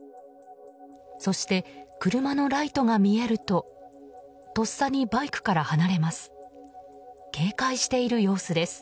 そして、車のライトが見えるととっさにバイクから離れます。